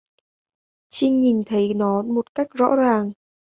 Trinh nhìn thấy nó một cách rõ ràng